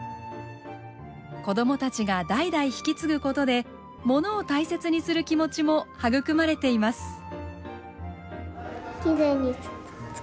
子供たちが代々引き継ぐことでものを大切にする気持ちも育まれています。